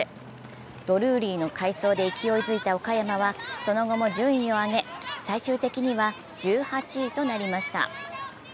ドルーリーの快走で勢いづいた岡山はその後も順位を上げ、最終的には１８位となりました。